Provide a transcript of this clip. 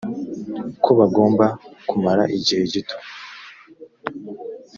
ko bagomba kumara igihe gito